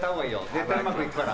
絶対うまくいくから。